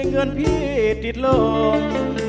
เงินพี่ติดลง